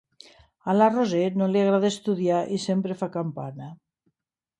A la Roser no li agrada estudiar i sempre fa campana: